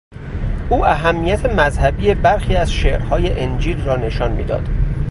او اهمیت مذهبی برخی از شعرهای انجیل را نشان میداد.